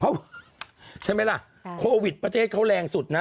ใช่ไหมล่ะโควิดประเทศเขาแรงสุดนะ